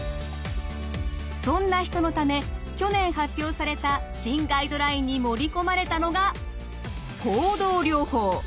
そんな人のため去年発表された新ガイドラインに盛り込まれたのが行動療法。